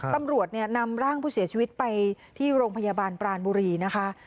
ตำรวจนำร่างผู้เสียชีวิตไปที่โรงพยาบาลปรานบุรีนะคะ